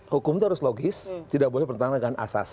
hukum itu harus logis tidak boleh bertentangan dengan asas